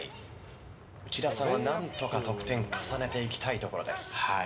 内田さんは何とか得点を重ねていきたいところです。